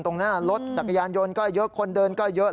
ตรงหน้ารถจักรยานยนต์ก็เยอะคนเดินก็เยอะ